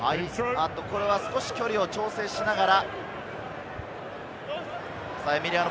少し距離を調整しながら。